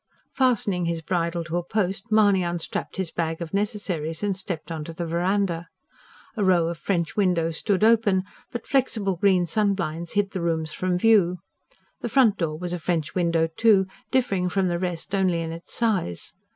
Fastening his bridle to a post, Mahony unstrapped his bag of necessaries and stepped on to the verandah. A row of French windows stood open; but flexible green sun blinds hid the rooms from view. The front door was a French window, too, differing from the rest only in its size.